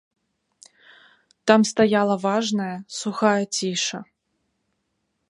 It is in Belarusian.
Там стаяла важная, сухая ціша.